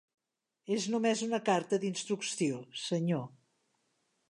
És només una carta d'instrucció, Senyor.